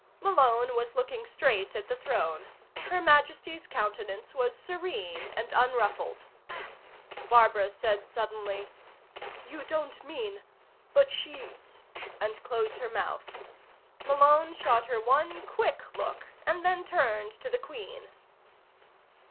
Malone was looking straight at the throne. Her Majesty's countenance was serene and unruffled. Barbara said suddenly: "You don't mean but she " and closed her mouth. Malone shot her one quick look, and then turned to the Queen.